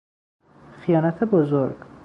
خیانت بزرگ